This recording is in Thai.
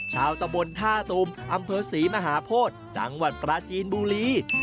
ตะบนท่าตูมอำเภอศรีมหาโพธิจังหวัดปราจีนบุรี